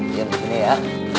diam begini ya